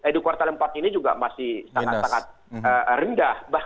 di kuartal empat ini juga masih sangat sangat rendah